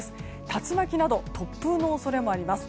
竜巻など突風の恐れもあります。